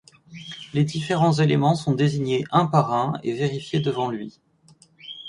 Les différents éléments sont désignés un par un et vérifiés devant lui.